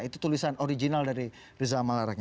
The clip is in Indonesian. itu tulisan original dari rizal malarang